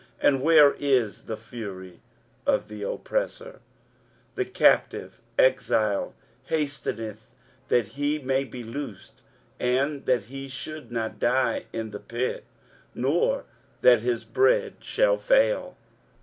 and where is the fury of the oppressor? 23:051:014 The captive exile hasteneth that he may be loosed, and that he should not die in the pit, nor that his bread should fail.